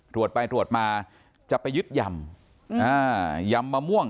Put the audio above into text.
ตรวจไปตรวจมาจะไปยึดยำยำมะม่วง